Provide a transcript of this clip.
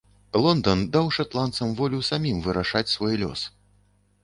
Лондан даў шатландцам волю самім вырашаць свой лёс.